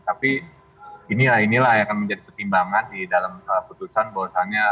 tapi inilah inilah yang akan menjadi pertimbangan di dalam putusan bahwasannya